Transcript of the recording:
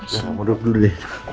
jangan mudah dulu deh